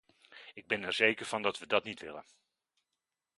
Ik ben er zeker van dat we dat niet willen.